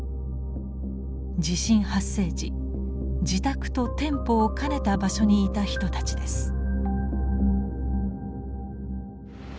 地震発生時自宅と店舗を兼ねた場所にいた人たちです。